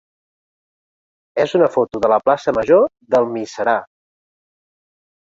és una foto de la plaça major d'Almiserà.